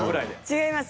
違います。